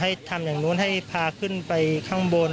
ทำอย่างนู้นให้พาขึ้นไปข้างบน